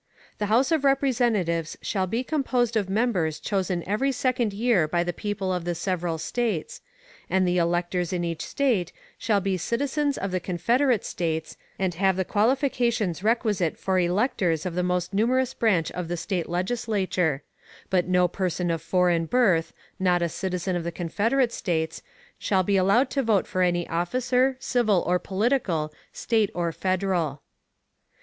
The House of Representatives shall be composed of members chosen every second year by the people of the several States; and the electors in each State shall be citizens of the Confederate States, and have the qualifications requisite for electors of the most numerous branch of the State Legislature; _but no person of foreign birth, not a citizen of the Confederate States, shall be allowed to vote for any officer, civil or political, State or Federal_.